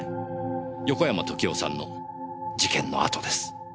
横山時雄さんの事件の後です。